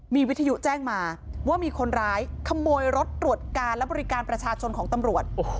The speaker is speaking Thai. มีวิทยุแจ้งมาว่ามีคนร้ายขโมยรถตรวจการและบริการประชาชนของตำรวจ